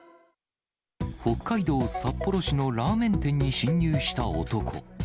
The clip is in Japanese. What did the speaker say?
北海道札幌市のラーメン店に侵入した男。